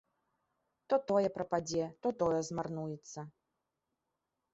То тое прападзе, то тое змарнуецца.